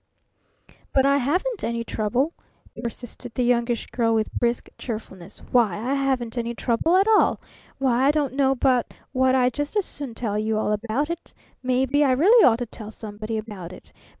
"But I haven't any 'trouble,'" persisted the Youngish Girl with brisk cheerfulness. "Why, I haven't any trouble at all! Why, I don't know but what I'd just as soon tell you all about it. Maybe I really ought to tell somebody about it.